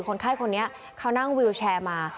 คนไข้คนนี้เขานั่งวิวแชร์มา